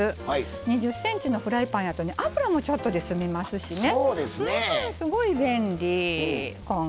２０ｃｍのフライパンやと油もちょっとで済みますしすごい便利。